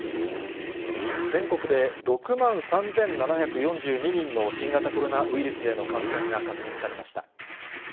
全国で６万３７４２人の新型コロナウイルスへの感染が確認されました。